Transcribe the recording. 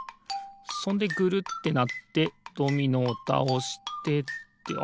そんでぐるってなってドミノをたおしてあっ